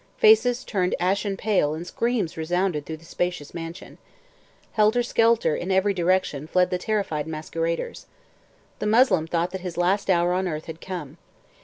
Faces turned ashen pale and screams resounded through the spacious mansion. Helter skelter, in every direction, fled the terrified masqueraders. The Moslem thought that his last hour on earth had come.